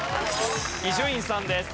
伊集院さんです。